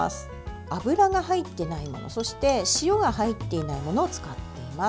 油が入っていないものそして塩が入っていないものを使っています。